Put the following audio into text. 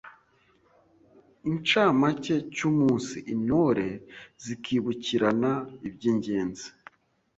incamake cy’umunsi, Intore zikibukirana iby’ingezi